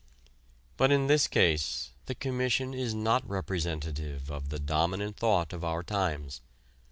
But in this case, the Commission is not representative of the dominant thought of our times.